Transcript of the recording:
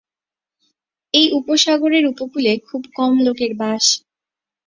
এই উপসাগরের উপকূলে খুব কম লোকের বাস।